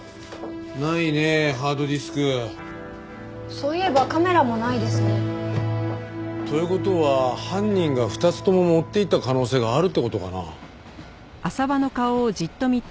そういえばカメラもないですね。という事は犯人が２つとも持っていった可能性があるって事かな？